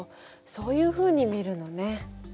そういうふうに見るのね。